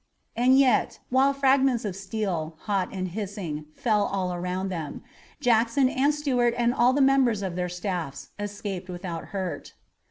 And yet, while fragments of steel, hot and hissing, fell all around them, Jackson and Stuart and all the members of their staffs escaped without hurt.